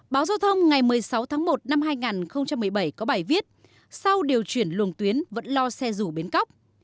báo giao thông ngày một mươi sáu tháng một năm hai nghìn một mươi bảy có bài viết sau điều chuyển luồng tuyến vẫn lo xe rủ bến cóc